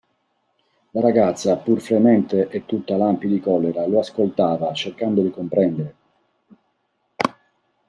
La ragazza, pur fremente e tutta lampi di collera, lo ascoltava, cercando di comprendere.